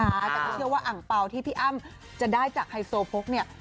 แต่ก็เชื่อว่าอังเปล่าที่พี่อ้ำจะได้จากไฮโซโพกเนี่ย